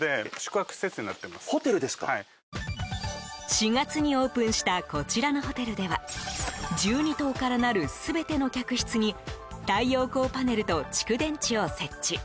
４月にオープンしたこちらのホテルでは１２棟からなる全ての客室に太陽光パネルと蓄電池を設置。